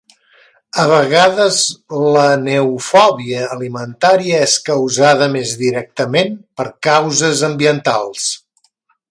A vegades la neofòbia alimentària és causada més directament per causes ambientals.